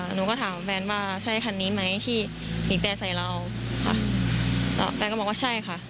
หนูก็ถามแฟนว่าใช่คันนี้ไหมที่บีบแต่ใส่เราค่ะแล้วแฟนก็บอกว่าใช่ค่ะ